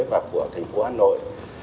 và của thành phố hà nội